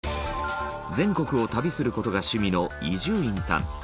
全国を旅する事が趣味の伊集院さん